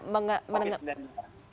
boleh bisa ya